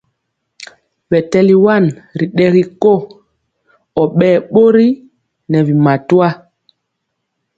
Ɓɛ tɛli wan ri ɗɛgi ko, ɔ ɓɛɛ ɓori nɛ bi matwa.